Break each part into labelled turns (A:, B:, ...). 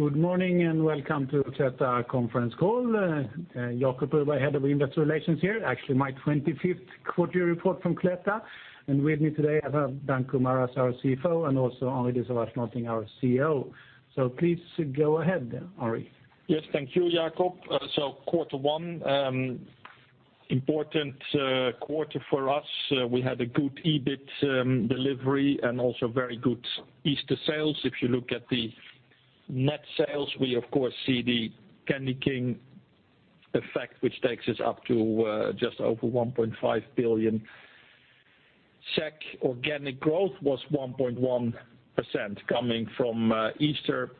A: Good morning, and welcome to Cloetta conference call. Jacob Broberg, head of investor relations here, actually, my 25th quarter report from Cloetta. With me today, I have Danko Maras, our CFO, and also Henri de Sauvage-Nolting, our CEO. Please go ahead, Henri.
B: Yes, thank you, Jacob. So quarter one, important quarter for us. We had a good EBIT delivery and also very good Easter sales. If you look at the net sales, we of course see the CandyKing effect, which takes us up to just over 1.5 billion. SEK organic growth was 1.1%, coming from Easter,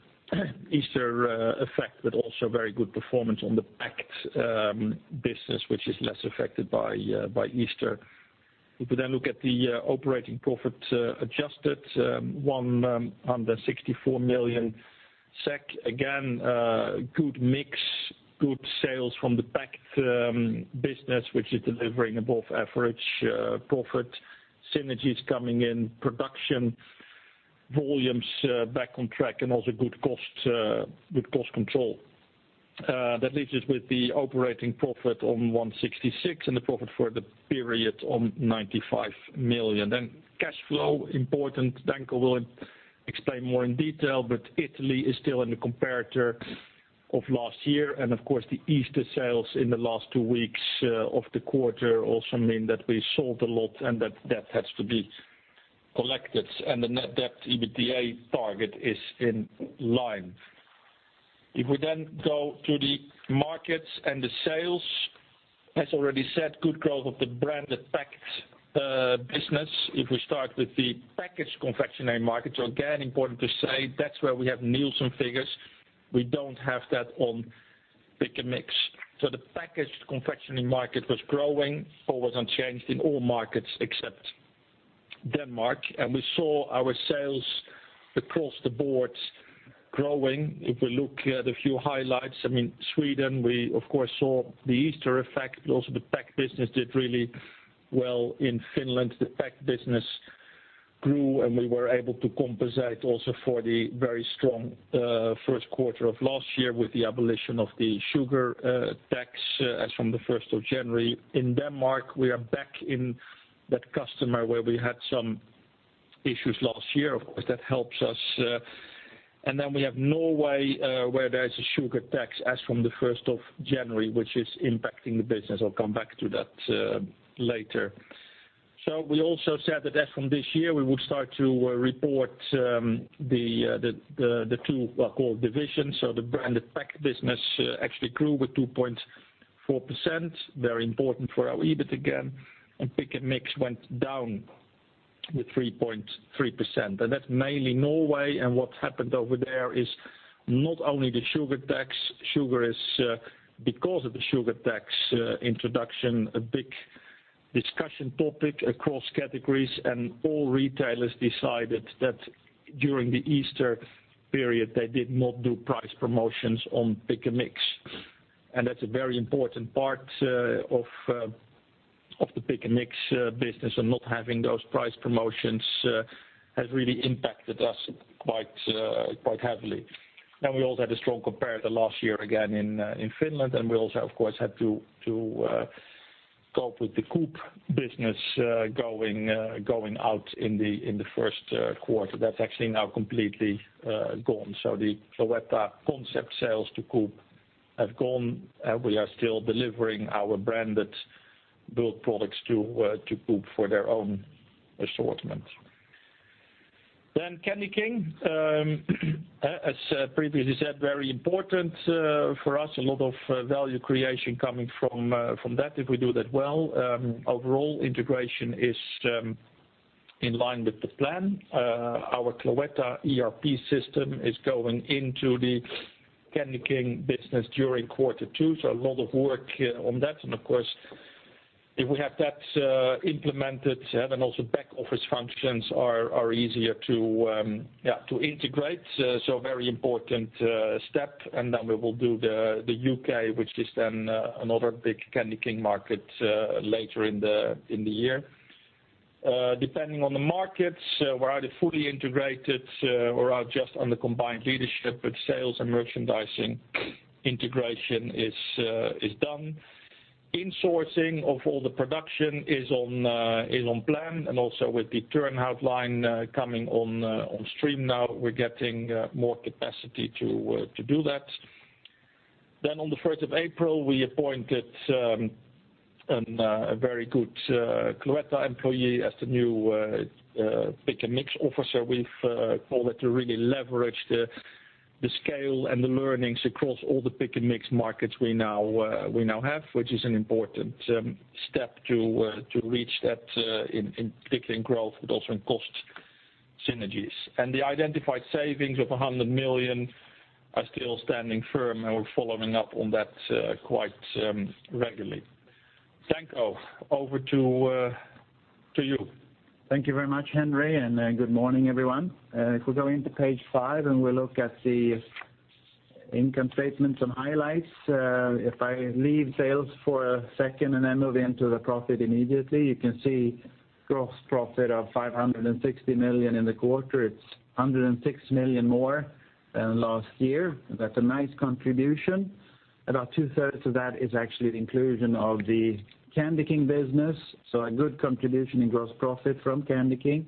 B: Easter effect, but also very good performance on the packed business, which is less affected by by Easter. If we then look at the operating profit, adjusted 164 million SEK. Again, good mix, good sales from the packed business, which is delivering above average profit, synergies coming in, production volumes back on track, and also good cost good cost control. That leaves us with the operating profit on 166 million, and the profit for the period on 95 million. Then cash flow, important, Danko will explain more in detail, but Italy is still in the comparator of last year. And of course, the Easter sales in the last two weeks of the quarter also mean that we sold a lot and that debt has to be collected, and the net debt, EBITDA target is in line. If we then go to the markets and the sales, as already said, good growth of the branded packaged business. If we start with the packaged confectionery market, so again, important to say, that's where we have Nielsen figures. We don't have that on pick and mix. So the packaged confectionery market was growing or was unchanged in all markets except Denmark, and we saw our sales across the board growing. If we look at a few highlights, I mean, Sweden, we of course saw the Easter effect, but also the packed business did really well in Finland. The packed business grew, and we were able to compensate also for the very strong first quarter of last year with the abolition of the sugar tax as from the first of January. In Denmark, we are back in that customer where we had some issues last year. Of course, that helps us. And then we have Norway, where there is a sugar tax as from the first of January, which is impacting the business. I'll come back to that later. So we also said that as from this year, we would start to report the two core divisions. The branded packaged business actually grew 2.4%, very important for our EBIT again, and Pick & Mix went down 3.3%. That's mainly Norway, and what happened over there is not only the sugar tax, sugar is because of the sugar tax introduction, a big discussion topic across categories, and all retailers decided that during the Easter period, they did not do price promotions on Pick & Mix. That's a very important part of the Pick & Mix business, and not having those price promotions has really impacted us quite heavily. Then we also had a strong comparator last year, again, in Finland, and we also, of course, had to cope with the Coop business going out in the first quarter. That's actually now completely gone. So with the concept sales to Coop have gone, we are still delivering our branded packaged products to Coop for their own assortment. Then CandyKing, as previously said, very important for us. A lot of value creation coming from that if we do that well. Overall integration is in line with the plan. Our Cloetta ERP system is going into the CandyKing business during quarter two, so a lot of work on that. Of course, if we have that implemented, then also back office functions are easier to integrate. So very important step. And then we will do the U.K., which is then another big CandyKing market later in the year. Depending on the markets, we're either fully integrated or are just on the combined leadership with sales and merchandising integration is done. Insourcing of all the production is on plan, and also with the Turnhout line coming on stream now, we're getting more capacity to do that. Then on the first of April, we appointed a very good Cloetta employee as the new Pick & Mix officer. We've called it to really leverage the scale and the learnings across all the Pick & Mix markets we now have, which is an important step to reach that, in particular in growth, but also in cost synergies. And the identified savings of 100 million are still standing firm, and we're following up on that quite regularly. Danko, over to you.
C: Thank you very much, Henri, and good morning, everyone. If we go into page 5, and we look at the income statement, some highlights. If I leave sales for a second, and then move into the profit immediately, you can see gross profit of 560 million in the quarter. It's 106 million more than last year. That's a nice contribution. About two-thirds of that is actually the inclusion of the CandyKing business, so a good contribution in gross profit from CandyKing.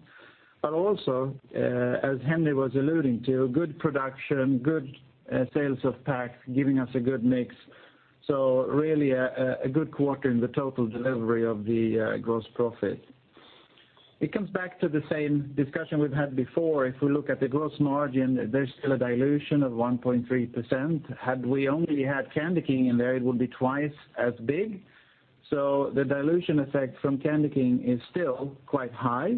C: But also, as Henri was alluding to, good production, good sales of pack, giving us a good mix. So really a good quarter in the total delivery of the gross profit. It comes back to the same discussion we've had before. If we look at the gross margin, there's still a dilution of 1.3%. Had we only had CandyKing in there, it would be twice as big. So the dilution effect from CandyKing is still quite high,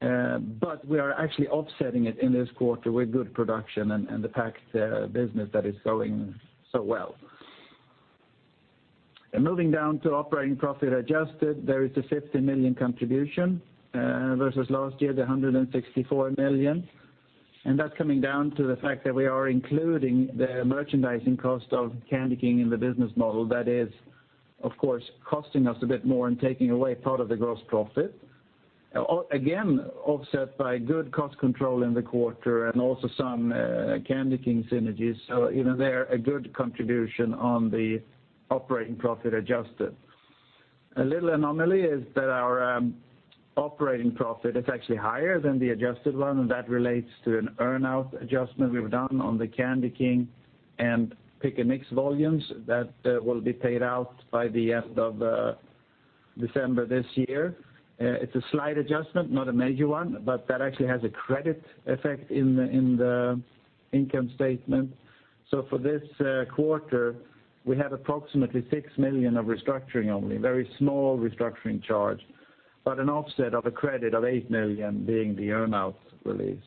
C: but we are actually offsetting it in this quarter with good production and the pack business that is going so well. Moving down to operating profit adjusted, there is a 50 million contribution versus last year, the 164 million, and that's coming down to the fact that we are including the merchandising cost of CandyKing in the business model. That is, of course, costing us a bit more and taking away part of the gross profit. Again, offset by good cost control in the quarter and also some CandyKing synergies, so even there, a good contribution on the operating profit adjusted. A little anomaly is that our operating profit is actually higher than the adjusted one, and that relates to an earn-out adjustment we've done on the CandyKing and Pick & Mix volumes that will be paid out by the end of December this year. It's a slight adjustment, not a major one, but that actually has a credit effect in the income statement. So for this quarter, we have approximately 6 million of restructuring only, very small restructuring charge, but an offset of a credit of 8 million being the earn-out release.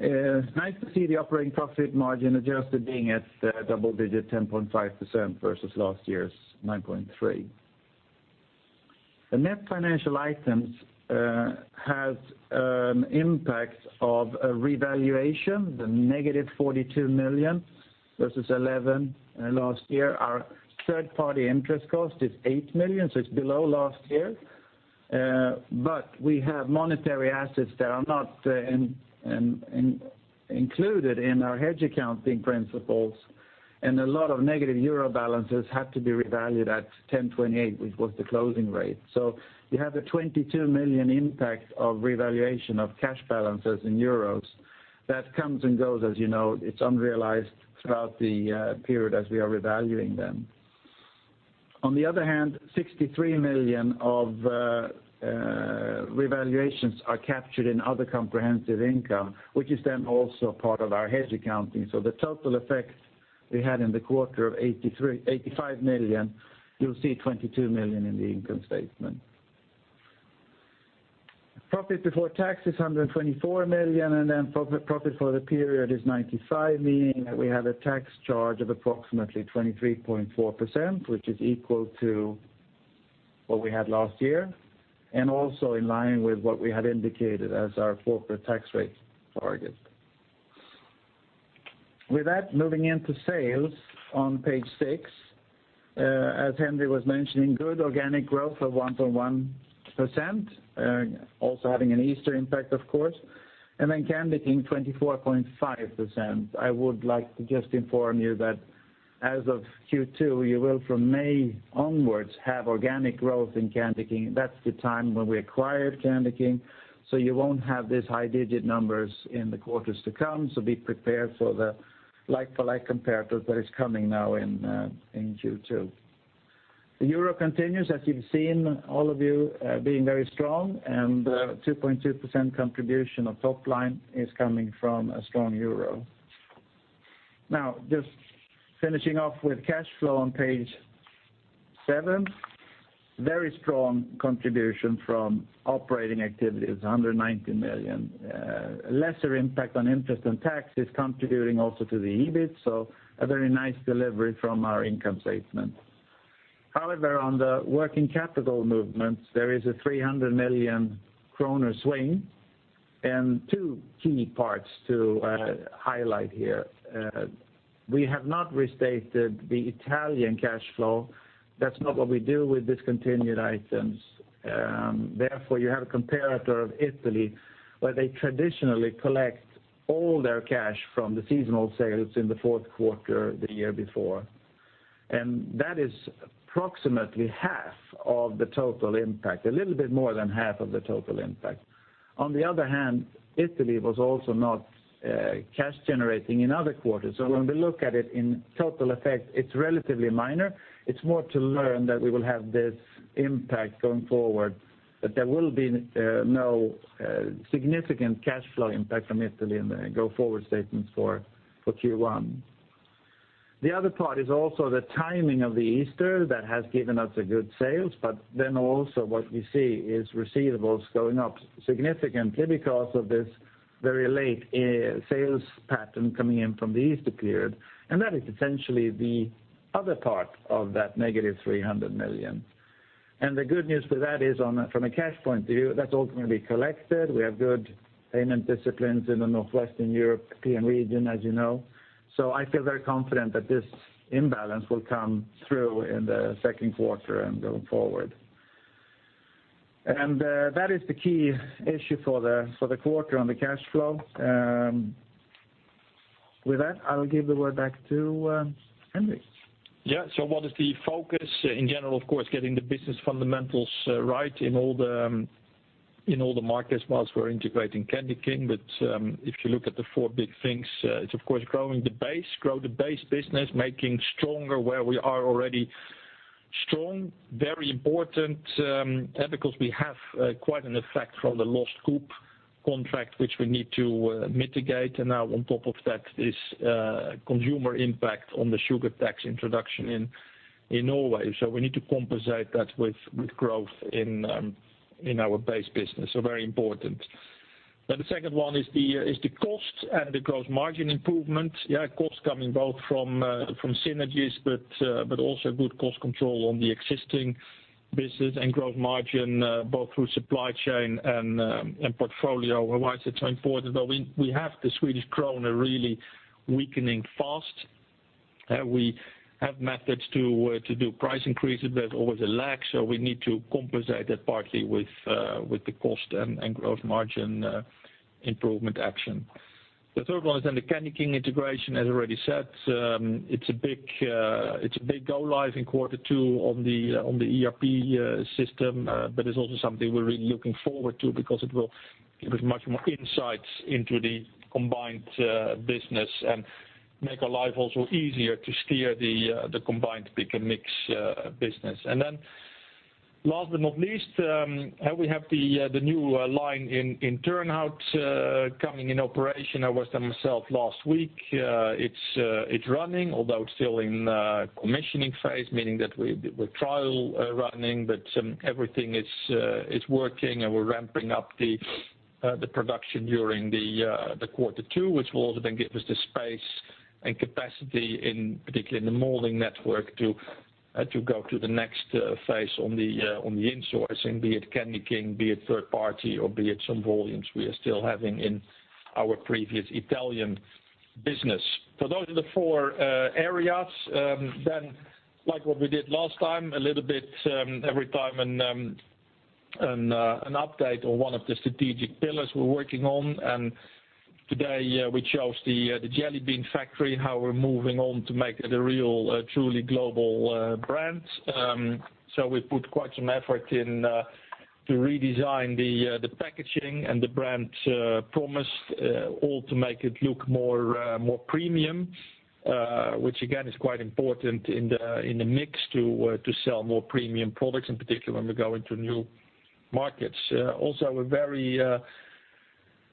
C: Nice to see the operating profit margin adjusted, being at double-digit 10.5% versus last year's 9.3%. The net financial items has impact of a revaluation, the -42 million, versus 11 million last year. Our third-party interest cost is 8 million, so it's below last year. But we have monetary assets that are not included in our hedge accounting principles, and a lot of negative euro balances had to be revalued at 10.28, which was the closing rate. So you have a 22 million impact of revaluation of cash balances in euros. That comes and goes, as you know. It's unrealized throughout the period as we are revaluing them. On the other hand, 63 million of revaluations are captured in other comprehensive income, which is then also part of our hedge accounting. So the total effect we had in the quarter of 85 million, you'll see 22 million in the income statement. Profit before tax is 124 million, and then profit for the period is 95 million, meaning that we have a tax charge of approximately 23.4%, which is equal to what we had last year, and also in line with what we had indicated as our corporate tax rate target. With that, moving into sales on page six. As Henri was mentioning, good organic growth of 1.1%, also having an Easter impact, of course, and then CandyKing, 24.5%. I would like to just inform you that as of Q2, you will, from May onwards, have organic growth in CandyKing. That's the time when we acquired CandyKing, so you won't have this high-digit numbers in the quarters to come, so be prepared for the like-for-like comparator that is coming now in, in Q2. The euro continues, as you've seen, all of you, being very strong, and 2.2% contribution of top line is coming from a strong euro. Now, just finishing off with cash flow on page 7. Very strong contribution from operating activities, 190 million. Lesser impact on interest and tax is contributing also to the EBIT, so a very nice delivery from our income statement. However, on the working capital movements, there is a 300 million kronor swing and two key parts to highlight here. We have not restated the Italian cash flow. That's not what we do with discontinued items. Therefore, you have a comparator of Italy, where they traditionally collect all their cash from the seasonal sales in the fourth quarter, the year before. And that is approximately half of the total impact, a little bit more than half of the total impact. On the other hand, Italy was also not cash generating in other quarters. So when we look at it in total effect, it's relatively minor. It's more to learn that we will have this impact going forward, but there will be no significant cash flow impact from Italy in the go-forward statements for Q1. The other part is also the timing of the Easter that has given us good sales, but then also what we see is receivables going up significantly because of this very late sales pattern coming in from the Easter period, and that is essentially the other part of that -300 million. The good news for that is, from a cash point of view, that's all going to be collected. We have good payment disciplines in the Northwestern European region, as you know. I feel very confident that this imbalance will come through in the second quarter and going forward. That is the key issue for the quarter on the cash flow. With that, I will give the word back to Henri.
B: Yeah. So what is the focus? In general, of course, getting the business fundamentals right in all the markets while we're integrating CandyKing. But if you look at the four big things, it's of course growing the base, grow the base business, making stronger where we are already strong, very important, and because we have quite an effect from the lost Coop contract, which we need to mitigate. And now on top of that is consumer impact on the sugar tax introduction in Norway. So we need to compensate that with growth in our base business, so very important. Then the second one is the cost and the gross margin improvement. Yeah, cost coming both from synergies, but also good cost control on the existing business and growth margin both through supply chain and portfolio. And why is it so important, though? We have the Swedish krona really weakening fast. We have methods to do price increases, but always a lag, so we need to compensate that partly with the cost and growth margin improvement action. The third one is then the CandyKing integration, as already said. It's a big go live in quarter two on the ERP system. But it's also something we're really looking forward to because it will give us much more insights into the combined business and make our life also easier to steer the combined pick-and-mix business. And then last but not least, we have the new line in Turnhout coming in operation. I was there myself last week. It's running, although it's still in commissioning phase, meaning that we're trial running, but everything is working, and we're ramping up the production during the quarter two, which will then give us the space and capacity in, particularly in the molding network, to go to the next phase on the insourcing, be it CandyKing, be it third party, or be it some volumes we are still having in our previous Italian business. So those are the four areas. Then, like what we did last time, a little bit every time and an update on one of the strategic pillars we're working on. And today, we chose The Jelly Bean Factory, how we're moving on to make it a real, truly global brand. So we put quite some effort in to redesign the packaging and the brand promise, all to make it look more premium, which again is quite important in the mix to sell more premium products, in particular when we go into new markets. Also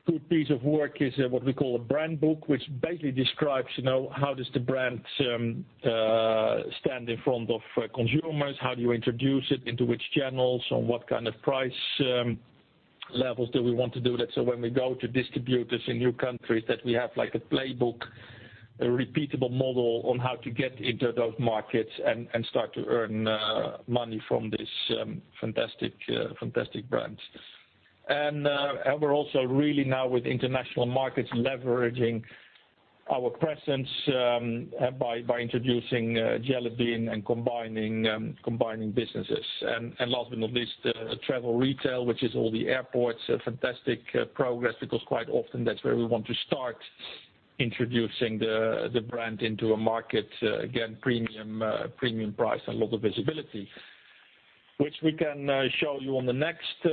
B: a very good piece of work is what we call a brand book, which basically describes, you know, how does the brand stand in front of consumers? How do you introduce it, into which channels, on what kind of price levels do we want to do that? So when we go to distributors in new countries, that we have like a playbook, a repeatable model on how to get into those markets and, and start to earn money from this, fantastic, fantastic brand. And, and we're also really now with international markets, leveraging our presence, by, by introducing, Jelly Bean and combining, combining businesses. And, and last but not least, travel retail, which is all the airports, fantastic, progress, because quite often that's where we want to start introducing the, the brand into a market. Again, premium, premium price and a lot of visibility, which we can, show you on the next,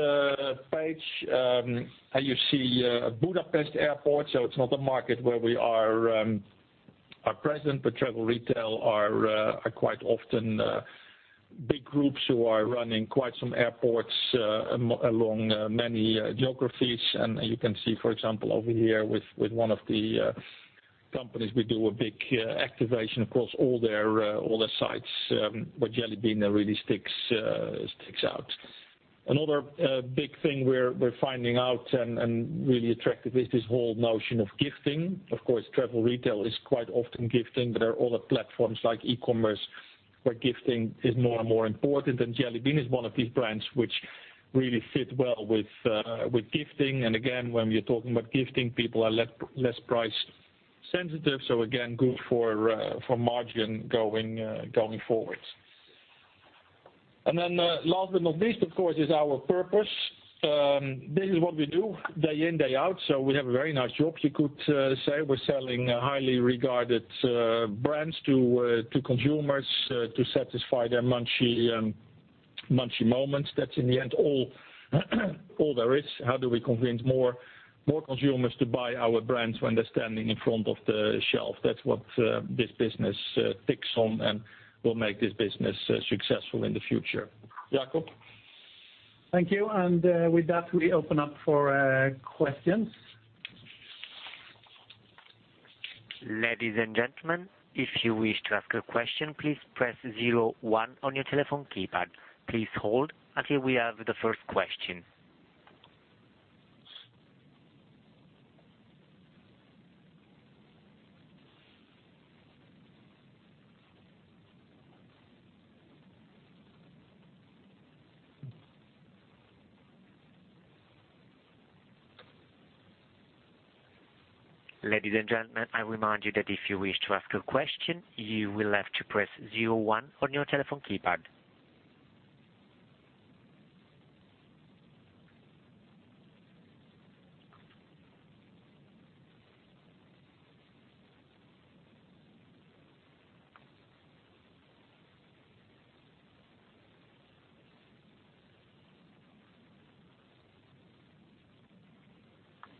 B: page. And you see, Budapest Airport, so it's not a market where we are present, but travel retail is quite often big groups who are running quite some airports among many geographies. And you can see, for example, over here with one of the companies, we do a big activation across all their sites, where Jelly Bean really sticks out. Another big thing we're finding out and really attractive is this whole notion of gifting. Of course, travel retail is quite often gifting, but there are other platforms like e-commerce, where gifting is more and more important, and Jelly Bean is one of these brands which really fit well with gifting. And again, when we are talking about gifting, people are less price sensitive, so again, good for margin going forward. And then, last but not least, of course, is our purpose. This is what we do day in, day out, so we have a very nice job. You could say we're selling highly regarded brands to consumers to satisfy their Munchy Moments. That's in the end all there is. How do we convince more consumers to buy our brands when they're standing in front of the shelf? That's what this business ticks on and will make this business successful in the future. Jacob?
A: Thank you, and with that, we open up for questions.
D: Ladies and gentlemen, if you wish to ask a question, please press zero one on your telephone keypad. Please hold until we have the first question. Ladies and gentlemen, I remind you that if you wish to ask a question, you will have to press zero-one on your telephone keypad.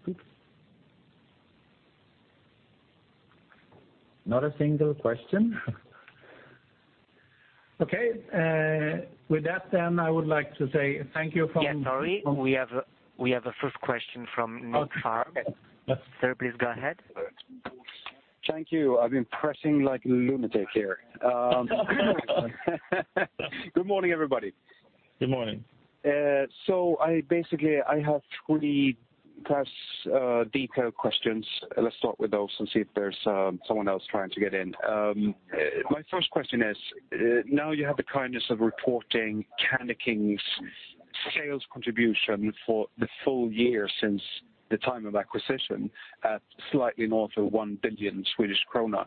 D: Not a single question?
C: Okay, with that then, I would like to say thank you from-
D: Yeah, sorry. We have a first question from Nicklas Fhärm. Sir, please go ahead.
E: Thank you. I've been pressing like a lunatic here. Good morning, everybody.
C: Good morning.
E: So I basically have three precise detail questions. Let's start with those and see if there's someone else trying to get in. My first question is, now you have the kindness of reporting CandyKing's sales contribution for the full year since the time of acquisition, at slightly north of 1 billion Swedish krona.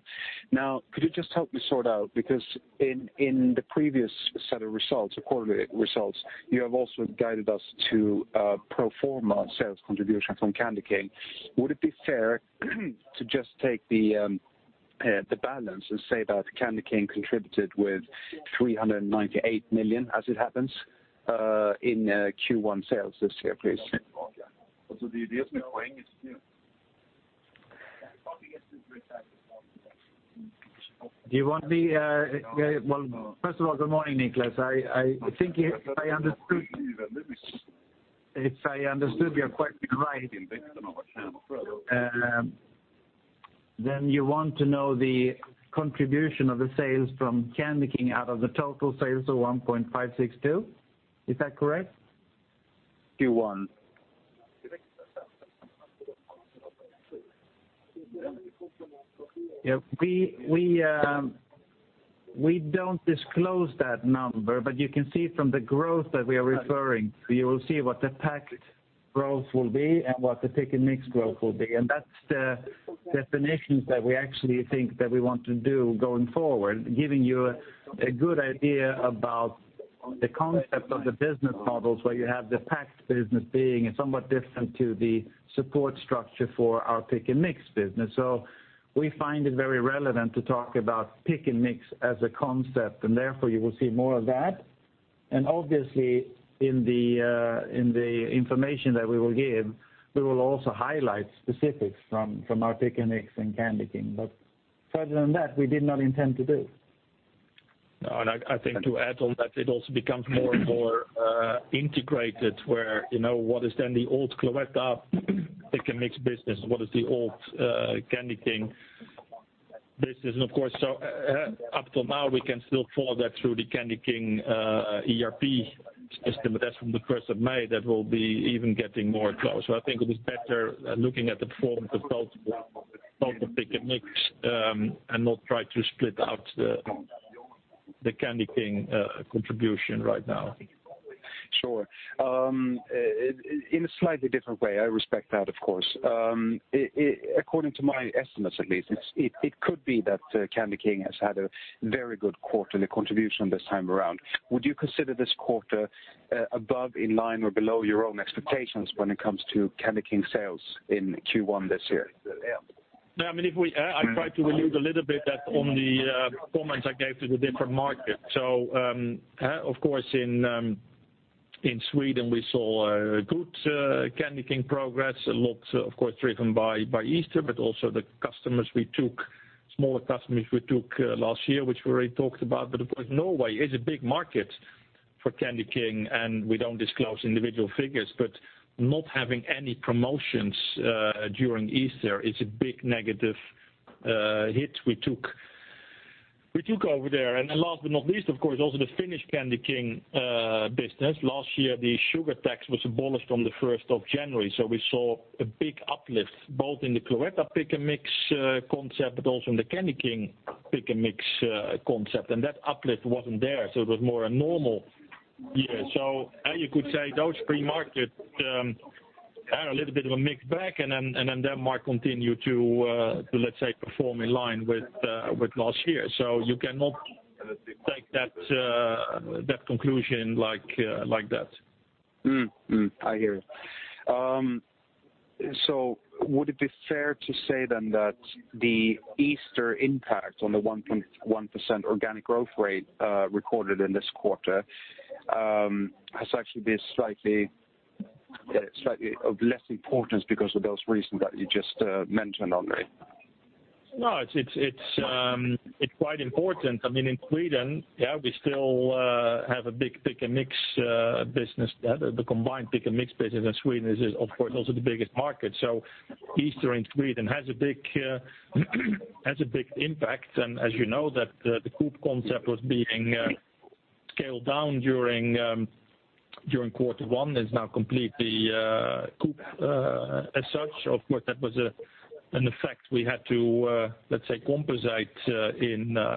E: Now, could you just help me sort out, because in the previous set of results, or quarterly results, you have also guided us to pro forma sales contributions from CandyKing. Would it be fair to just take the balance and say that CandyKing contributed with 398 million, as it happens, in Q1 sales this year, please?
C: Do you want me... Well, first of all, good morning, Nicholas. I think I understood, if I understood your question right, then you want to know the contribution of the sales from CandyKing out of the total sales of 1.562. Is that correct?
E: Q1.
C: Yeah, we don't disclose that number, but you can see from the growth that we are referring, you will see what the packed growth will be and what the pick & mix growth will be. And that's the definitions that we actually think that we want to do going forward, giving you a good idea about the concept of the business models, where you have the packed business being somewhat different to the support structure for our pick & mix business. So we find it very relevant to talk about pick & mix as a concept, and therefore you will see more of that. And obviously, in the information that we will give, we will also highlight specifics from our pick & mix and CandyKing, but further than that, we did not intend to do.
B: No, and I, I think to add on that, it also becomes more and more integrated, where, you know, what is then the old Cloetta Pick & Mix business? What is the old CandyKing business? Of course, so up till now, we can still follow that through the CandyKing ERP system, but that's from the first of May. That will be even getting more close. So I think it is better looking at the performance of both, both the Pick & Mix, and not try to split out the CandyKing contribution right now.
E: Sure. In a slightly different way, I respect that, of course. According to my estimates, at least, it could be that CandyKing has had a very good quarter in the contribution this time around. Would you consider this quarter, above, in line, or below your own expectations when it comes to CandyKing sales in Q1 this year?
B: No, I mean, if we, I tried to allude a little bit that on the performance I gave to the different markets. So, of course, in, in Sweden, we saw good CandyKing progress, a lot, of course, driven by, by Easter, but also the customers we took, smaller customers we took last year, which we already talked about. But of course, Norway is a big market for CandyKing, and we don't disclose individual figures, but not having any promotions during Easter is a big negative hit we took, we took over there. And then last but not least, of course, also the Finnish CandyKing business. Last year, the sugar tax was abolished from the first of January, so we saw a big uplift, both in the Cloetta Pick & Mix concept, but also in the CandyKing Pick & Mix concept. And that uplift wasn't there, so it was more a normal year. So, you could say those three markets had a little bit of a mix back, and then, and then them might continue to, to, let's say, perform in line with last year. So you cannot take that conclusion like that.
E: I hear you. So would it be fair to say then that the Easter impact on the 1.1% organic growth rate recorded in this quarter has actually been slightly of less importance because of those reasons that you just mentioned on it?
B: No, it's quite important. I mean, in Sweden, yeah, we still have a big pick & mix business. The combined pick & mix business in Sweden is, of course, also the biggest market. So Easter in Sweden has a big impact. And as you know, the Coop concept was being scaled down during quarter one and is now completely cooled as such. Of course, that was an effect we had to, let's say, compensate in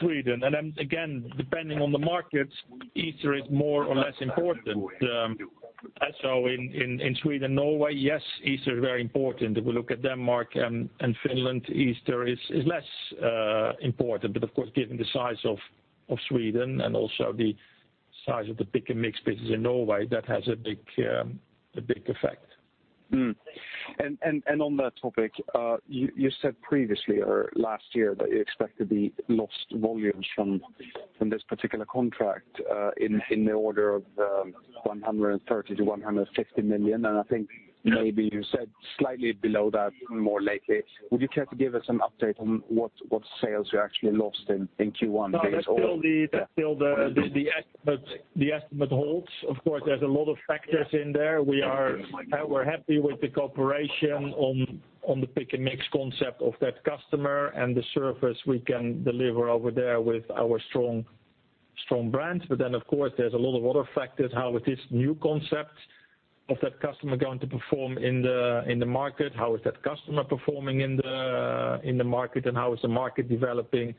B: Sweden. And then again, depending on the markets, Easter is more or less important. So in Sweden, Norway, yes, Easter is very important. If we look at Denmark and Finland, Easter is less important. But of course, given the size of Sweden and also the size of the Pick & Mix business in Norway, that has a big, a big effect.
E: And on that topic, you said previously or last year that you expected the lost volumes from this particular contract in the order of 130 million-150 million. And I think maybe you said slightly below that more lately. Would you care to give us an update on what sales you actually lost in Q1?
B: No, that's still the estimate holds. Of course, there's a lot of factors in there. We're happy with the cooperation on the pick and mix concept of that customer and the service we can deliver over there with our strong, strong brands. But then, of course, there's a lot of other factors. How is this new concept of that customer going to perform in the market? How is that customer performing in the market, and how is the market developing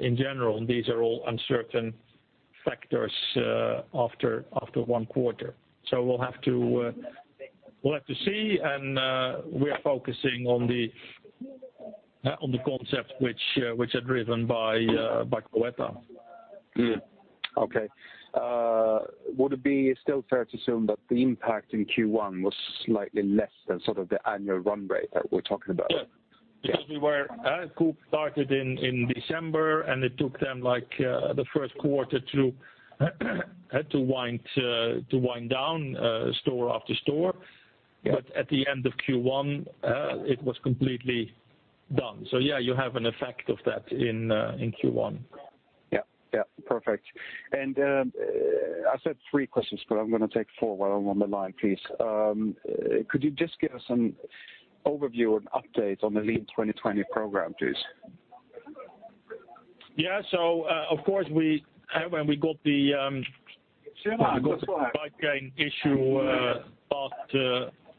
B: in general? These are all uncertain factors after one quarter. So we'll have to see, and we're focusing on the concept which are driven by Cloetta.
E: Okay. Would it be still fair to assume that the impact in Q1 was slightly less than sort of the annual run rate that we're talking about?
B: Yeah.
E: Yeah.
B: Because we were, Coop started in December, and it took them, like, the first quarter to wind down store after store.
E: Yeah.
B: But at the end of Q1, it was completely done. So yeah, you have an effect of that in Q1.
E: Yeah, yeah, perfect. And, I said three questions, but I'm gonna take four while I'm on the line, please. Could you just give us an overview and update on the Lean 2020 program, please?
B: Yeah. So, of course, we, when we got the, issue,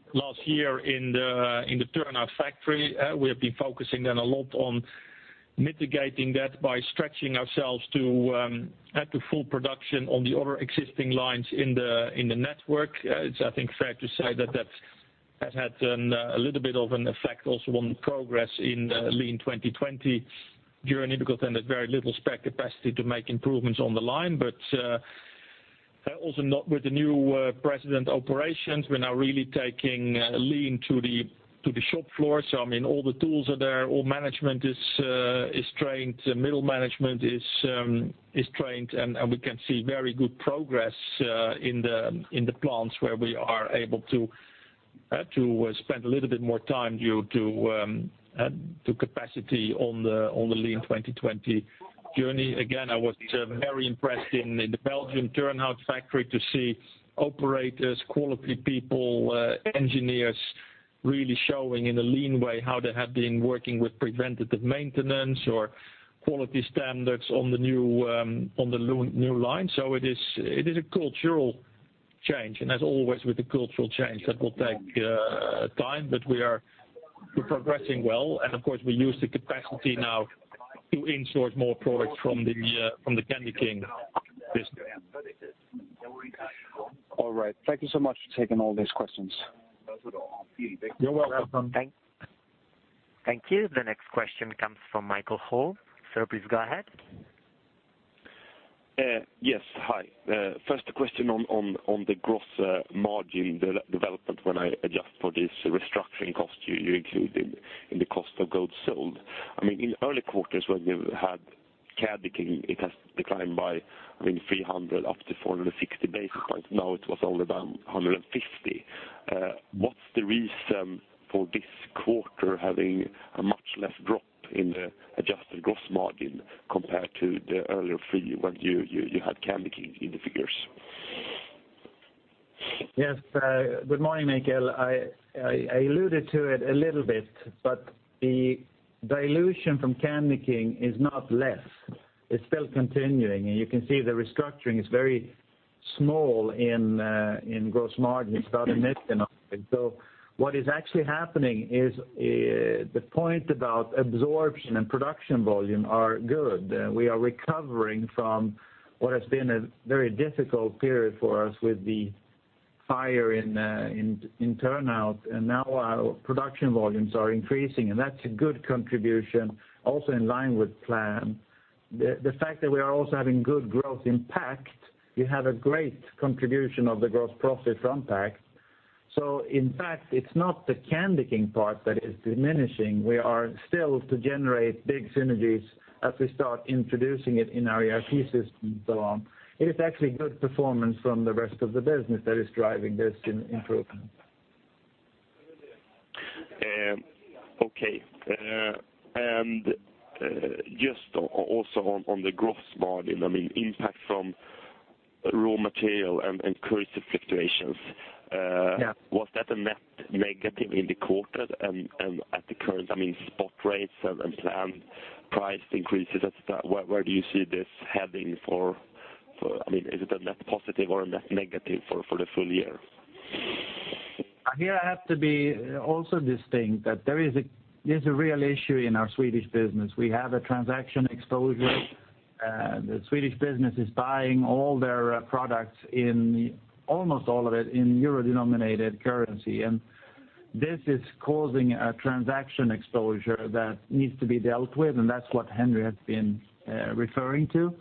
B: but, last year in the, in the Turnhout factory, we have been focusing then a lot on mitigating that by stretching ourselves to, at the full production on the other existing lines in the, in the network. It's, I think, fair to say that that's had, a little bit of an effect also on progress in, Lean 2020 during, and we got then a very little spare capacity to make improvements on the line. But, also not with the new, president operations, we're now really taking, Lean to the, to the shop floor. So, I mean, all the tools are there, all management is trained, middle management is trained, and we can see very good progress in the plants where we are able to spend a little bit more time due to capacity on the Lean 2020 journey. Again, I was very impressed in the Belgian Turnhout factory to see operators, quality people, engineers really showing in a lean way how they have been working with preventative maintenance or quality standards on the new line. So it is a cultural change, and as always, with the cultural change, that will take time, but we are progressing well. And of course, we use the capacity now to in-source more products from the CandyKing business.
E: All right. Thank you so much for taking all these questions.
B: You're welcome.
D: You're welcome. Thank you. The next question comes from Mikael Holm. Sir, please go ahead.
F: Yes, hi. First, a question on the gross margin de-development when I adjust for this restructuring cost you included in the cost of goods sold. I mean, in early quarters when you had CandyKing, it has declined by, I mean, 300 up to 460 basis points. Now, it was only down 150. What's the reason for this quarter having a much less drop in the adjusted gross margin compared to the earlier figure, when you had CandyKing in the figures?
C: Yes. Good morning, Mikael. I alluded to it a little bit, but the dilution from CandyKing is not less. It's still continuing, and you can see the restructuring is very small in gross margin. It's about 1 million. So what is actually happening is the point about absorption and production volume are good. We are recovering from what has been a very difficult period for us with the fire in Turnhout, and now our production volumes are increasing, and that's a good contribution also in line with plan. The fact that we are also having good growth in pack, you have a great contribution of the gross profit from pack. So in fact, it's not the CandyKing part that is diminishing. We are still to generate big synergies as we start introducing it in our ERP system and so on. It's actually good performance from the rest of the business that is driving this improvement.
F: Okay. And just also on the gross margin, I mean, impact from raw material and currency fluctuations. Was that a net negative in the quarter and at the current, I mean, spot rates and planned price increases, et cetera, where do you see this heading for the full year? I mean, is it a net positive or a net negative for the full year?
C: Here, I have to be also distinct that there is a real issue in our Swedish business. We have a transaction exposure. The Swedish business is buying all their products in, almost all of it, in euro-denominated currency. And this is causing a transaction exposure that needs to be dealt with, and that's what Henri has been referring to.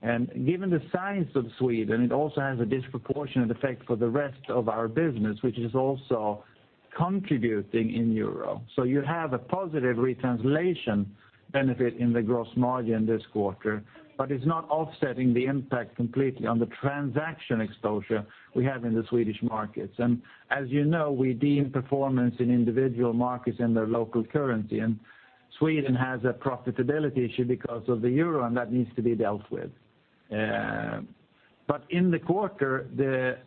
C: And given the size of Sweden, it also has a disproportionate effect for the rest of our business, which is also contributing in euro. So you have a positive retranslation benefit in the gross margin this quarter, but it's not offsetting the impact completely on the transaction exposure we have in the Swedish markets. And as you know, we deem performance in individual markets in their local currency, and Sweden has a profitability issue because of the euro, and that needs to be dealt with. In the quarter, the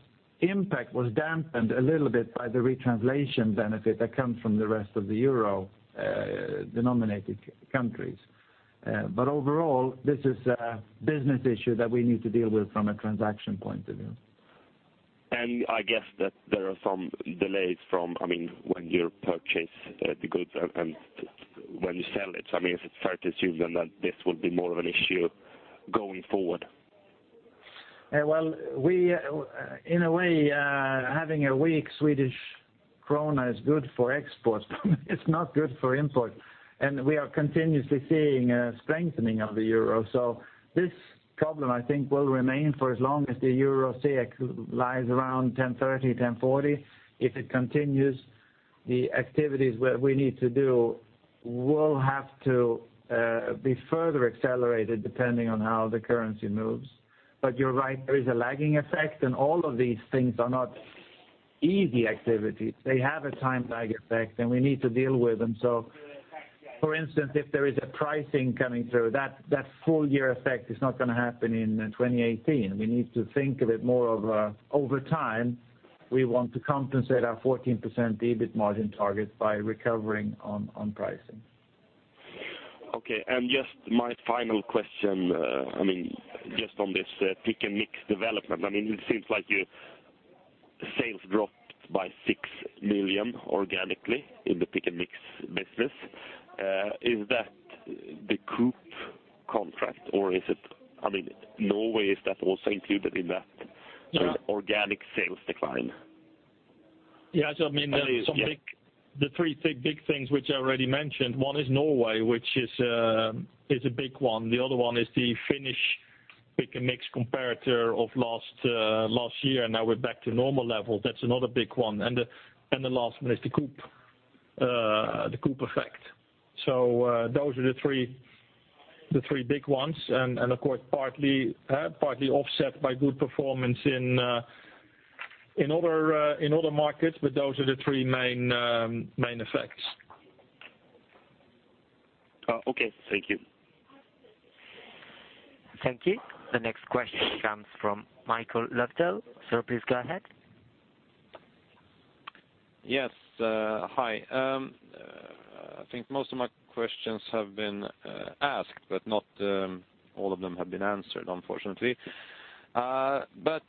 C: impact was dampened a little bit by the retranslation benefit that comes from the rest of the euro-denominated countries. Overall, this is a business issue that we need to deal with from a transaction point of view.
F: I guess that there are some delays from, I mean, when you purchase the goods and when you sell it. I mean, is it fair to assume then that this would be more of an issue going forward?
C: Well, we, in a way, having a weak Swedish krona is good for exports, but it's not good for import. And we are continuously seeing a strengthening of the euro. So this problem, I think, will remain for as long as the euro stays, lies around 10.30, 10.40. If it continues, the activities where we need to do will have to be further accelerated depending on how the currency moves. But you're right, there is a lagging effect, and all of these things are not easy activities. They have a time lag effect, and we need to deal with them. So for instance, if there is a pricing coming through, that, that full year effect is not gonna happen in 2018. We need to think of it more as over time. We want to compensate our 14% EBIT margin target by recovering on pricing.
F: Okay. And just my final question, I mean, just on this, Pick & Mix development. I mean, it seems like sales dropped by 6 million organically in the Pick & Mix business. Is that the Coop contract, or is it... I mean, Norway, is that also included in that?
C: Yeah...
F: organic sales decline?
B: Yeah, so I mean, there are some big- the three big, big things which I already mentioned, one is Norway, which is, is a big one. The other one is the Finnish pick & mix comparator of last, last year, and now we're back to normal level. That's another big one. And the, and the last one is the Coop, the Coop effect. So, those are the three, the three big ones, and, and of course, partly, partly offset by good performance in, in other, in other markets, but those are the three main, main effects.
F: Okay. Thank you.
D: Thank you. The next question comes from Mikael Laséen. Sir, please go ahead.
G: Yes, hi. I think most of my questions have been asked, but not all of them have been answered, unfortunately. But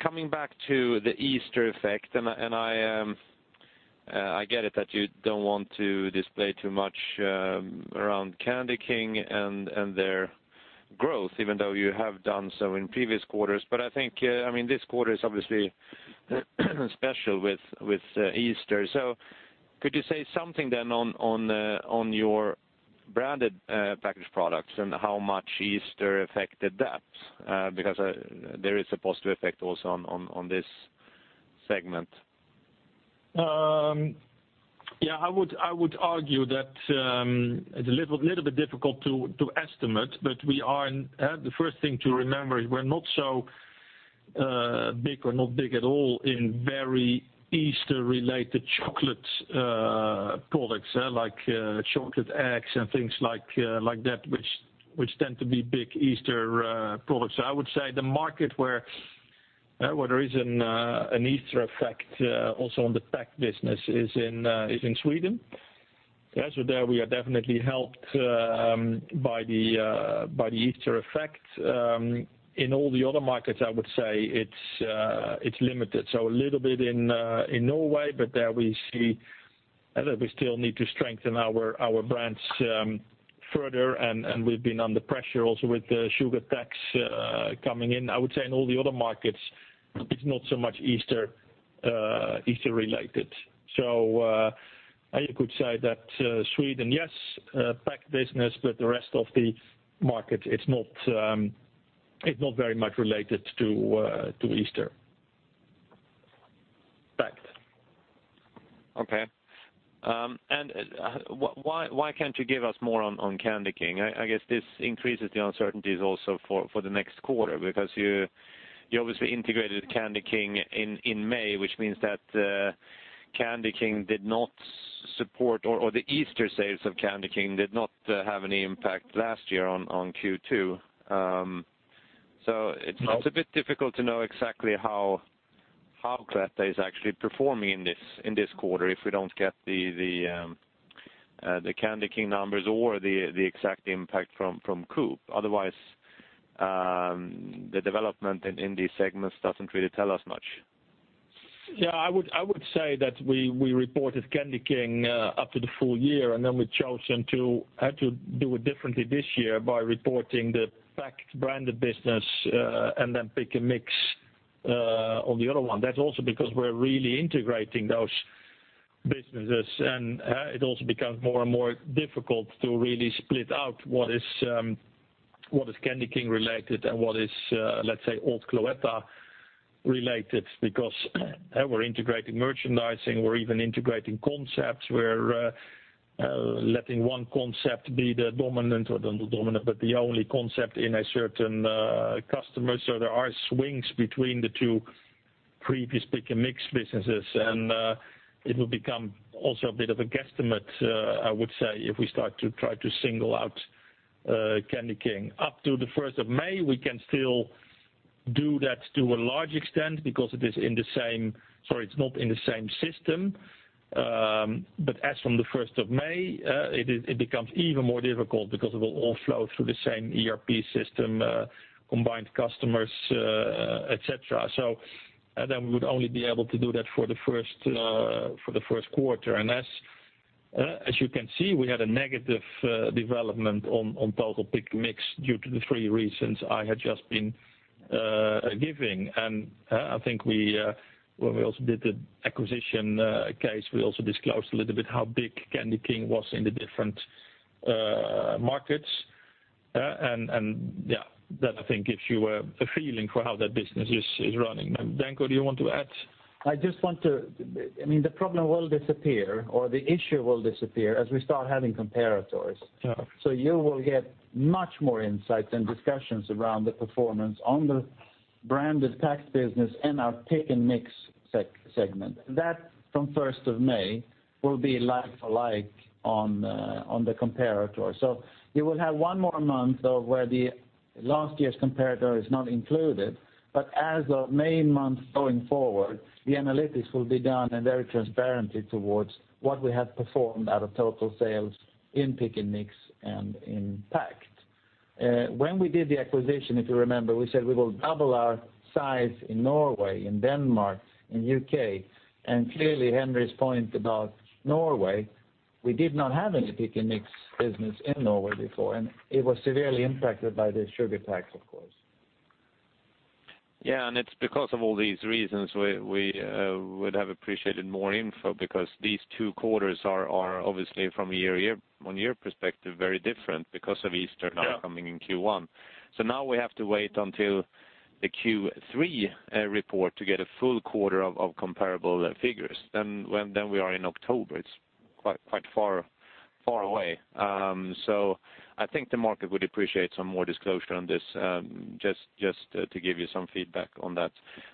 G: coming back to the Easter effect, and I get it that you don't want to display too much around CandyKing and their growth, even though you have done so in previous quarters. But I think, I mean, this quarter is obviously special with Easter. So could you say something then on your branded packaged products and how much Easter affected that? Because there is a positive effect also on this segment.
B: Yeah, I would, I would argue that, it's a little, little bit difficult to, to estimate, but we are... The first thing to remember is we're not so, big or not big at all in very Easter-related chocolates, products, like, chocolate eggs and things like, like that, which, which tend to be big Easter, products. I would say the market where, where there is an, an Easter effect, also on the pack business is in, is in Sweden. Yeah, so there we are definitely helped, by the, by the Easter effect. In all the other markets, I would say it's, it's limited. So a little bit in Norway, but there we see that we still need to strengthen our brands further, and we've been under pressure also with the sugar tax coming in. I would say in all the other markets, it's not so much Easter related. So you could say that Sweden, yes, pack business, but the rest of the market, it's not very much related to Easter. Fact.
G: Okay. And why can't you give us more on CandyKing? I guess this increases the uncertainties also for the next quarter, because you... You obviously integrated CandyKing in May, which means that CandyKing did not support or the Easter sales of CandyKing did not have any impact last year on Q2. So it's a bit difficult to know exactly how Cloetta is actually performing in this quarter if we don't get the CandyKing numbers or the exact impact from Coop. Otherwise, the development in these segments doesn't really tell us much.
B: Yeah, I would, I would say that we, we reported CandyKing up to the full year, and then we chosen to had to do it differently this year by reporting the packed branded business, and then Pick & Mix on the other one. That's also because we're really integrating those businesses, and it also becomes more and more difficult to really split out what is, what is CandyKing related and what is, let's say, old Cloetta related. Because we're integrating merchandising, we're even integrating concepts, we're letting one concept be the dominant, or not dominant, but the only concept in a certain customer. So there are swings between the two previous Pick & Mix businesses. And it will become also a bit of a guesstimate, I would say, if we start to try to single out CandyKing. Up to the first of May, we can still do that to a large extent because it is in the same... Sorry, it's not in the same system, but as from the first of May, it becomes even more difficult because it will all flow through the same ERP system, combined customers, et cetera. So, then we would only be able to do that for the first, for the first quarter. And as you can see, we had a negative development on total pick and mix due to the three reasons I had just been giving. And I think we, when we also did the acquisition case, we also disclosed a little bit how big CandyKing was in the different markets. And yeah, that I think gives you a feeling for how that business is running. And Danko, do you want to add?
C: I just want to... I mean, the problem will disappear, or the issue will disappear as we start having comparators.
B: Yeah.
C: So you will get much more insight and discussions around the performance on the branded pack business and our pick and mix segment. That, from first of May, will be like for like on the comparator. So you will have one more month of where the last year's comparator is not included, but as of May month going forward, the analytics will be done and very transparently towards what we have performed out of total sales in pick and mix and in pack. When we did the acquisition, if you remember, we said we will double our size in Norway, in Denmark, in UK. And clearly, Henri's point about Norway, we did not have any pick and mix business in Norway before, and it was severely impacted by the sugar tax, of course.
G: Yeah, and it's because of all these reasons we would have appreciated more info, because these two quarters are obviously from a year-over-year perspective very different because of Easter now coming in Q1.
B: Yeah.
G: So now we have to wait until the Q3 report to get a full quarter of comparable figures. Then we are in October. It's quite far away. So I think the market would appreciate some more disclosure on this, just to give you some feedback on that.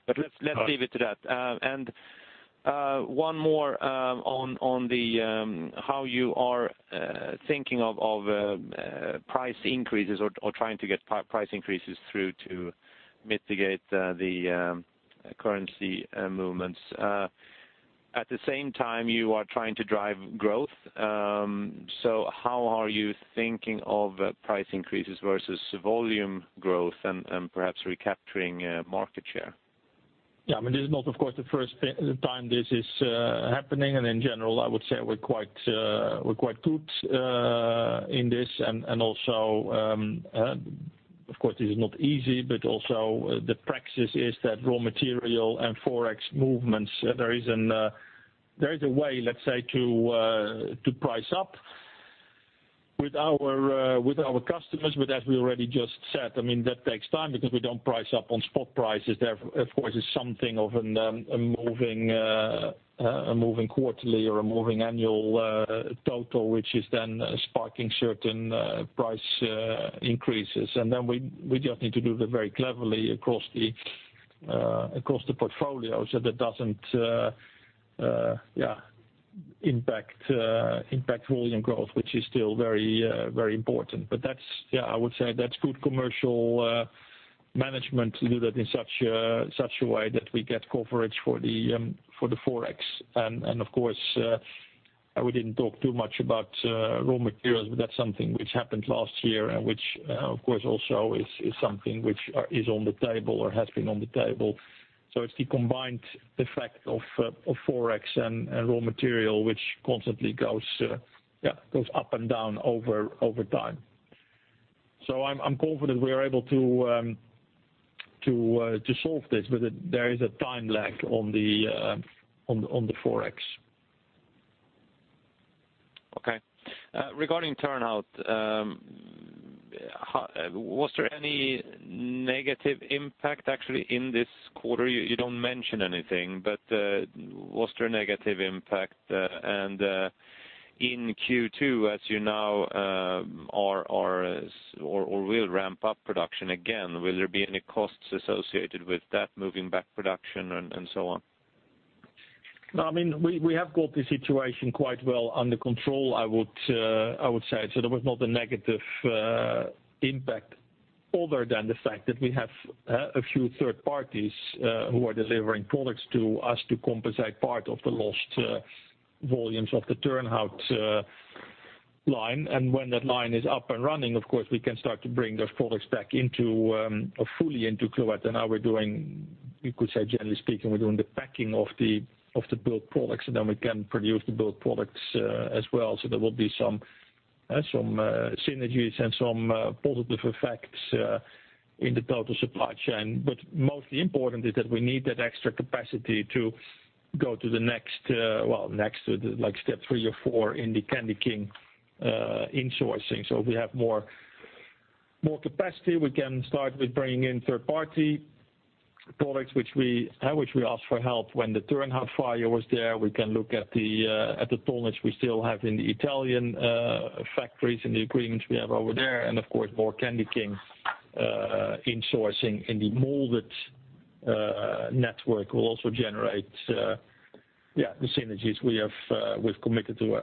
B: All right.
G: But let's leave it to that. And one more on how you are thinking of price increases or trying to get price increases through to mitigate the currency movements. At the same time, you are trying to drive growth, so how are you thinking of price increases versus volume growth and perhaps recapturing market share?
B: Yeah, I mean, this is not, of course, the first time this is happening. And in general, I would say we're quite good in this. And also, of course, this is not easy, but also, the practice is that raw material and Forex movements, there is a way, let's say, to price up with our customers. But as we already just said, I mean, that takes time because we don't price up on spot prices. There, of course, is something of a moving quarterly or a moving annual total, which is then sparking certain price increases. And then we just need to do that very cleverly across the portfolio so that doesn't impact volume growth, which is still very important. But that's, I would say, that's good commercial management to do that in such a way that we get coverage for the Forex. And of course, we didn't talk too much about raw materials, but that's something which happened last year, and which of course also is something which is on the table or has been on the table. So it's the combined effect of Forex and raw material, which constantly goes up and down over time. I'm confident we are able to solve this, but there is a time lag on the Forex.
G: Okay. Regarding Turnhout, was there any negative impact actually in this quarter? You don't mention anything, but was there a negative impact? And in Q2, as you know, are or will ramp up production again, will there be any costs associated with that moving back production and so on?...
B: No, I mean, we, we have got the situation quite well under control, I would, I would say. So there was not a negative, impact other than the fact that we have, a few third parties, who are delivering products to us to compensate part of the lost, volumes of the Turnhout, line. And when that line is up and running, of course, we can start to bring those products back into, fully into Cloetta. Now we're doing, you could say, generally speaking, we're doing the packing of the, of the bulk products, and then we can produce the bulk products, as well. So there will be some, some, synergies and some, positive effects, in the total supply chain. But mostly important is that we need that extra capacity to go to the next, well, next to the, like, step three or four in the CandyKing insourcing. So if we have more, more capacity, we can start with bringing in third-party products which we, which we asked for help when the Turnhout fire was there. We can look at the, at the tonnage we still have in the Italian factories, and the agreements we have over there. And of course, more CandyKing insourcing in the molded network will also generate, yeah, the synergies we have, we've committed to,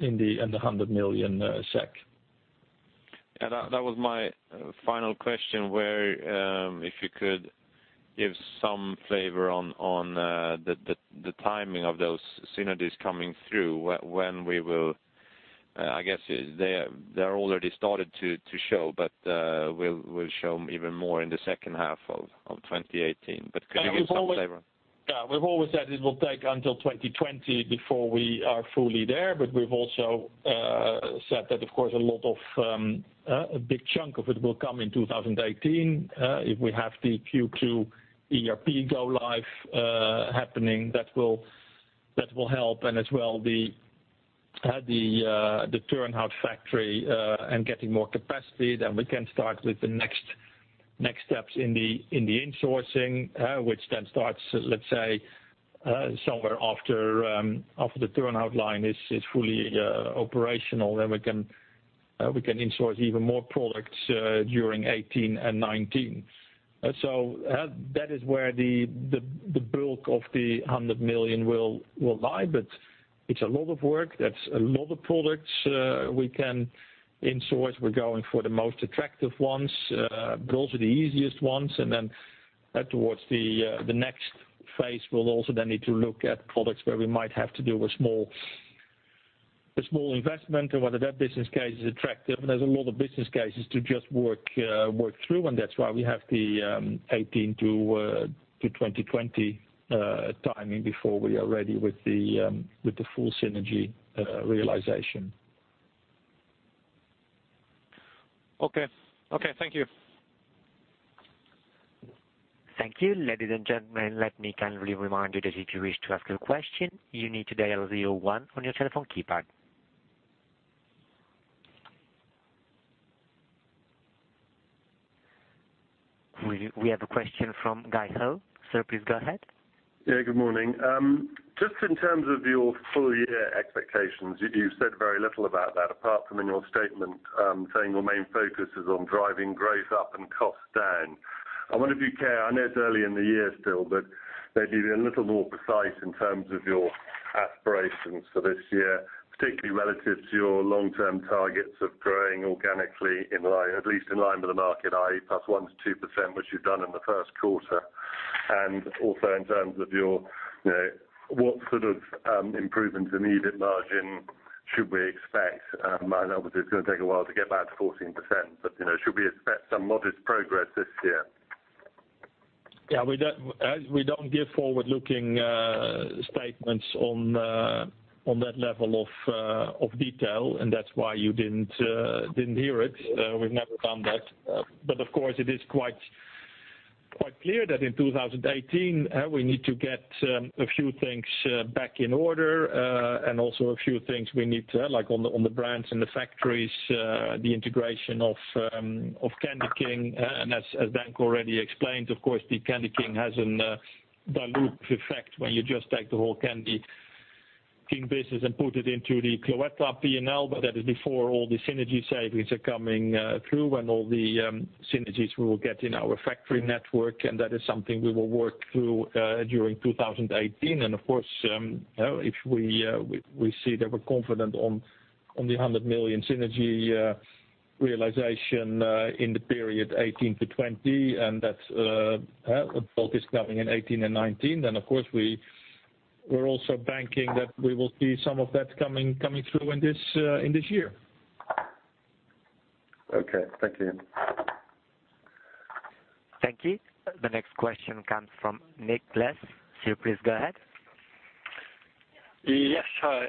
B: in the 100 million SEK.
G: And that was my final question, where if you could give some flavor on the timing of those synergies coming through, when we will... I guess, they are already started to show, but will show even more in the second half of 2018. But could you give some flavor?
B: Yeah, we've always said it will take until 2020 before we are fully there, but we've also said that, of course, a lot of a big chunk of it will come in 2018. If we have the Q2 ERP go live happening, that will help, and as well, the Turnhout factory and getting more capacity, then we can start with the next steps in the insourcing, which then starts, let's say, somewhere after the Turnhout line is fully operational. Then we can insource even more products during 2018 and 2019. So, that is where the bulk of the 100 million will lie, but it's a lot of work. That's a lot of products we can insource. We're going for the most attractive ones, those are the easiest ones, and then, towards the next phase, we'll also then need to look at products where we might have to do a small investment and whether that business case is attractive. There's a lot of business cases to just work through, and that's why we have the 2018-2020 timing before we are ready with the full synergy realization.
G: Okay. Okay, thank you.
D: Thank you. Ladies and gentlemen, let me kindly remind you that if you wish to ask a question, you need to dial zero one on your telephone keypad. We have a question from Guy Howe. Sir, please go ahead.
H: Yeah, good morning. Just in terms of your full year expectations, you, you've said very little about that, apart from in your statement, saying your main focus is on driving growth up and costs down. I wonder if you care, I know it's early in the year still, but maybe be a little more precise in terms of your aspirations for this year, particularly relative to your long-term targets of growing organically in line, at least in line with the market, i.e., +1%-2%, which you've done in the first quarter. And also in terms of your, what sort of, improvements in EBIT margin should we expect? I know it's going to take a while to get back to 14%, but, you know, should we expect some modest progress this year?
B: Yeah, we don't, we don't give forward-looking statements on, on that level of, of detail, and that's why you didn't, didn't hear it. We've never done that. But of course, it is quite, quite clear that in 2018, we need to get, a few things, back in order, and also a few things we need to, like on the, on the brands and the factories, the integration of, of CandyKing. And as, as Dank already explained, of course, the CandyKing has an, dilute effect when you just take the whole CandyKing business and put it into the Cloetta P&L, but that is before all the synergy savings are coming, through and all the, synergies we will get in our factory network. And that is something we will work through during 2018. And of course, if we see that we're confident on the 100 million synergy realization in the period 2018 to 2020, and that the bulk is coming in 2018 and 2019, then of course, we're also banking that we will see some of that coming through in this year.
H: Okay. Thank you.
D: Thank you. The next question comes from Nicklas. Sir, please go ahead.
E: Yes, hi.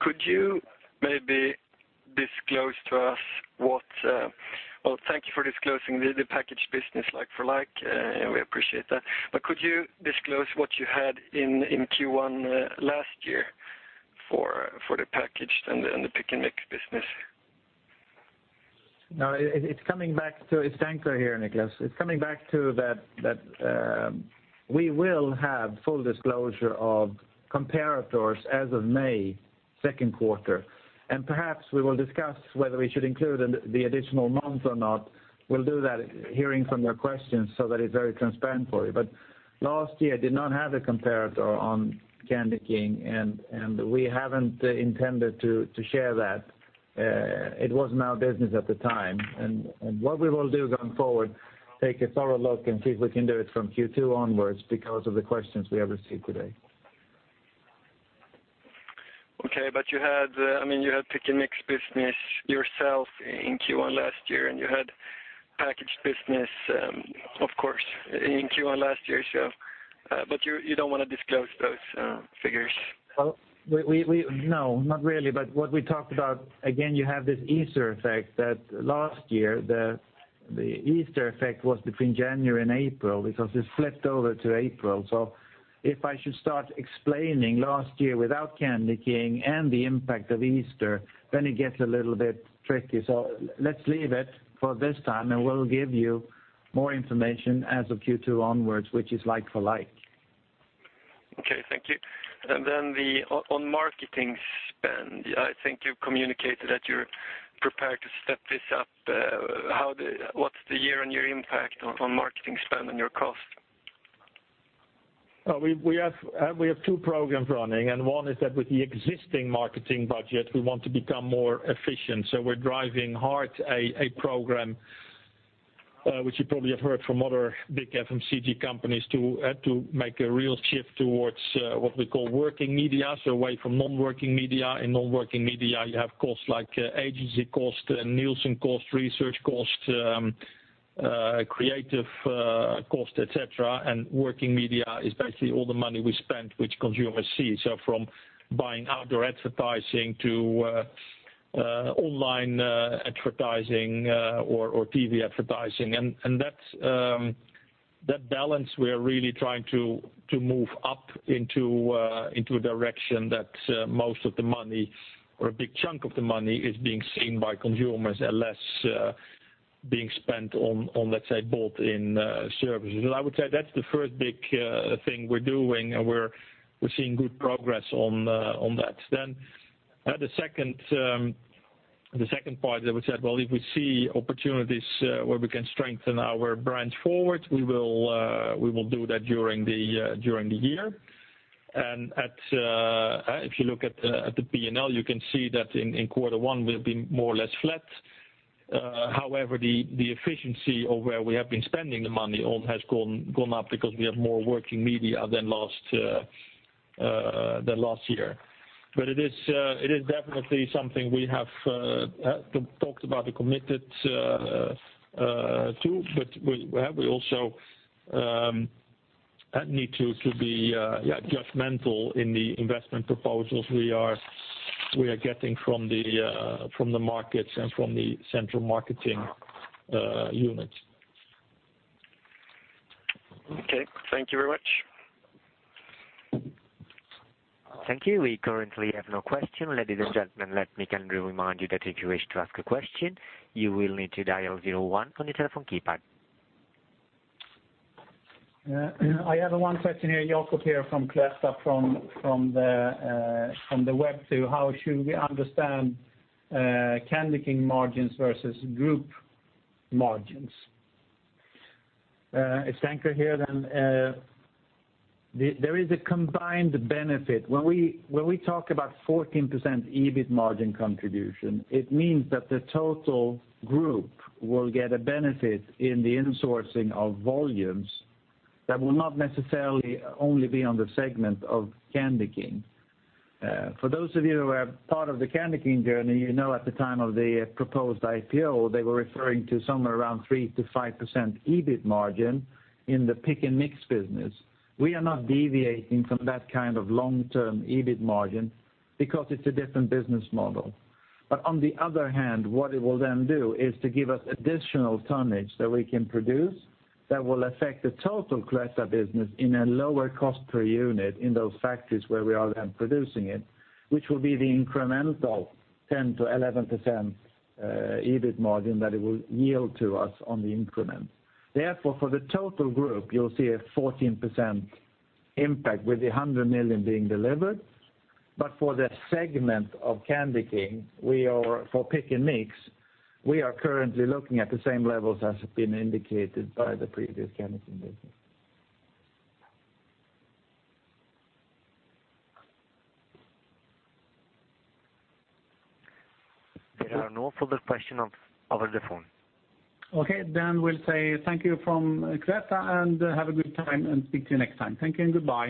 E: Could you maybe disclose to us what... Well, thank you for disclosing the packaged business like for like, we appreciate that. But could you disclose what you had in Q1 last year for the packaged and the pick and mix business?
G: No, it's coming back to, it's Danko here, Nicklas. It's coming back to that, we will have full disclosure of comparators as of May....
C: second quarter, and perhaps we will discuss whether we should include the additional month or not. We'll do that hearing from your questions, so that is very transparent for you. But last year did not have a comparator on CandyKing, and we haven't intended to share that. It was not our business at the time. And what we will do going forward, take a thorough look and see if we can do it from Q2 onwards because of the questions we have received today.
E: Okay, but you had, I mean, you had pick & mix business yourself in Q1 last year, and you had packaged business, of course, in Q1 last year, so but you don't want to disclose those figures?
C: Well, no, not really. But what we talked about, again, you have this Easter effect, that last year, the Easter effect was between January and April because it slipped over to April. So if I should start explaining last year without CandyKing and the impact of Easter, then it gets a little bit tricky. So let's leave it for this time, and we'll give you more information as of Q2 onwards, which is like for like.
E: Okay, thank you. And then on marketing spend, I think you've communicated that you're prepared to step this up. How... What's the year-on-year impact on marketing spend and your cost?
B: We have two programs running, and one is that with the existing marketing budget, we want to become more efficient. So we're driving hard a program, which you probably have heard from other big FMCG companies, to make a real shift towards what we call working media, so away from non-working media. In non-working media, you have costs like agency cost, Nielsen cost, research cost, creative cost, et cetera. And working media is basically all the money we spend, which consumers see. So from buying outdoor advertising to online advertising or TV advertising. And that's that balance we are really trying to move up into a direction that most of the money or a big chunk of the money is being seen by consumers and less being spent on, let's say, bought in services. And I would say that's the first big thing we're doing, and we're seeing good progress on that. Then the second part that we said, well, if we see opportunities where we can strengthen our brands forward, we will do that during the year. And if you look at the P&L, you can see that in quarter one, we'll be more or less flat. However, the efficiency of where we have been spending the money on has gone up because we have more working Media than last year. But it is definitely something we have talked about and committed to. But we also need to be judgmental in the investment proposals we are getting from the markets and from the central marketing unit.
E: Okay. Thank you very much.
D: Thank you. We currently have no question. Ladies and gentlemen, let me kind of remind you that if you wish to ask a question, you will need to dial zero one on your telephone keypad.
H: I have one question here, Jacob, here from Cloetta, from the web, too. How should we understand CandyKing margins versus group margins?
B: It's Henri here, then. There is a combined benefit. When we talk about 14% EBIT margin contribution, it means that the total group will get a benefit in the insourcing of volumes that will not necessarily only be on the segment of CandyKing. For those of you who are part of the CandyKing journey, you know, at the time of the proposed IPO, they were referring to somewhere around 3%-5% EBIT margin in the pick and mix business. We are not deviating from that kind of long-term EBIT margin because it's a different business model.
C: But on the other hand, what it will then do is to give us additional tonnage that we can produce that will affect the total Cloetta business in a lower cost per unit in those factories where we are then producing it, which will be the incremental 10%-11% EBIT margin that it will yield to us on the increment. Therefore, for the total group, you'll see a 14% impact with the 100 million being delivered. But for the segment of CandyKing, we are... For Pick & Mix, we are currently looking at the same levels as have been indicated by the previous CandyKing business.
D: There are no further questions over the phone.
C: Okay, then we'll say thank you from Cloetta, and have a good time and speak to you next time. Thank you and goodbye.